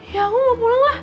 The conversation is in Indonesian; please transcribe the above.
ya aku mau pulang lah